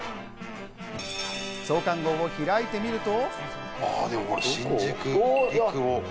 創刊号を開いてみると。